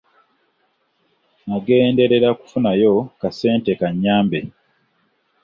Nagenderera kufunayo kasente kannyambe.